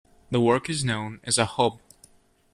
The work is known as "Akhob".